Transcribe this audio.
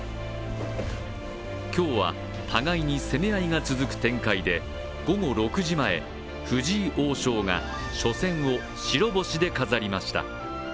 今日は、互いに攻め合いが続く展開で、午後６時前、藤井王将が初戦を白星で飾りました。